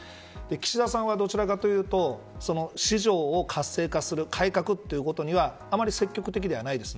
岸田さんは、どちらかというと市場を活性化する改革ということにはあまり積極的ではないです。